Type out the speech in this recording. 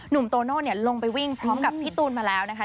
โตโน่ลงไปวิ่งพร้อมกับพี่ตูนมาแล้วนะคะ